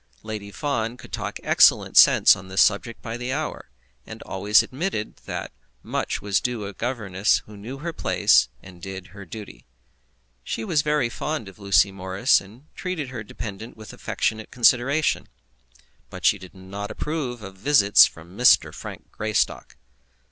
Lady Fawn could talk excellent sense on this subject by the hour, and always admitted that much was due to a governess who knew her place and did her duty. She was very fond of Lucy Morris, and treated her dependent with affectionate consideration; but she did not approve of visits from Mr. Frank Greystock.